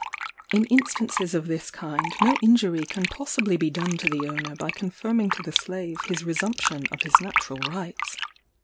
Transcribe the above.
In instances of this kind no injury can possibly be done to the owner by confirming to the slave his resumption of his natural rights.